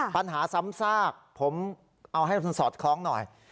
ปัญหาซ้ำซากผมเอาให้สอดคล้องหน่อย